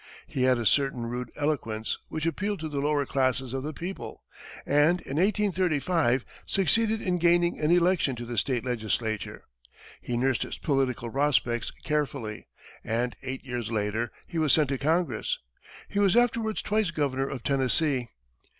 He had a certain rude eloquence which appealed to the lower classes of the people, and, in 1835, succeeded in gaining an election to the state legislature. He nursed his political prospects carefully, and eight years later, was sent to Congress. He was afterwards twice governor of Tennessee.